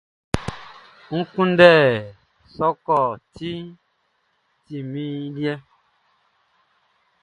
N kunndɛ sɔkɔti, ɔ ti min liɛ!